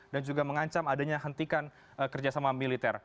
dan juga mengancam adanya hentikan kerjasama militer